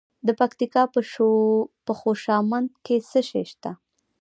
د پکتیکا په خوشامند کې څه شی شته؟